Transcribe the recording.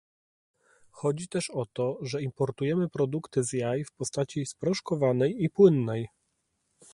Chodzi też o to, że importujemy produkty z jaj w postaci sproszkowanej i płynnej